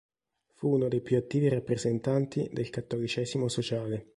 Fu uno dei più attivi rappresentanti del cattolicesimo sociale.